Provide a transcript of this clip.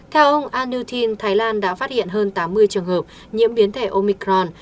theo ông anutin thái lan đã phát hiện hơn tám mươi trường hợp nhiễm biến thể omicron